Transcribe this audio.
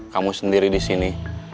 kamu sendiri disini